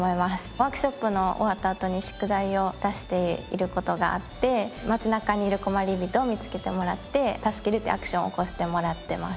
ワークショップの終わったあとに宿題を出している事があって街中にいる困りびとを見つけてもらって助けるっていうアクションを起こしてもらってます。